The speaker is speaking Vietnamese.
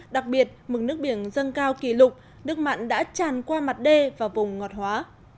đặc biệt mực nước biển dâng cao kỷ lục nước mặn đã tràn qua mặt đê và vùng ngọt hóa